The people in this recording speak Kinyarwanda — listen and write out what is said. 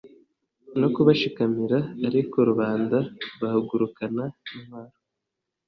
no kubashikamira; ariko rubanda bahagurukana intwaro